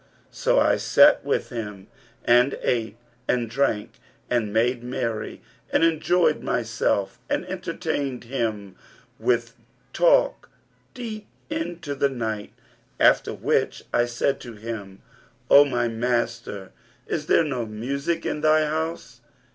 So I sat with him and ate and drank and made merry and enjoyed myself and entertained him with talk deep in to the night;[FN#338] after which I said to him, 'O my master, is there no music in thy house.'